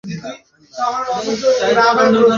তোমার যেমন খুশি।